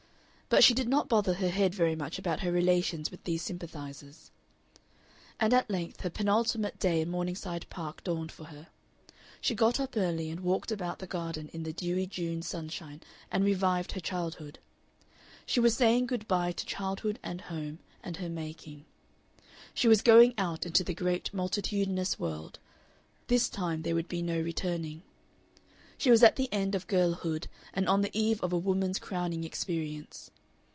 But she did not bother her head very much about her relations with these sympathizers. And at length her penultimate day in Morningside Park dawned for her. She got up early, and walked about the garden in the dewy June sunshine and revived her childhood. She was saying good bye to childhood and home, and her making; she was going out into the great, multitudinous world; this time there would be no returning. She was at the end of girlhood and on the eve of a woman's crowning experience.